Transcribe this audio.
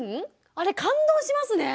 あれ感動しますね。